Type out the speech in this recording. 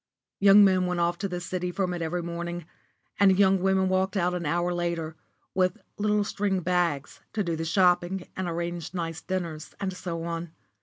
Young men went off to the City from it every morning, and young women walked out an hour later, with little string bags, to do the shopping and arrange nice dinners, and so on.